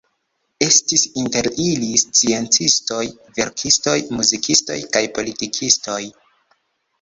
Estis inter ili sciencistoj, verkistoj, muzikistoj kaj politikistoj.